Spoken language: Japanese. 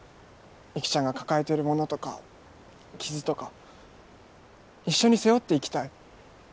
雪ちゃんが抱えてるものとか傷とか一緒に背負っていきたい。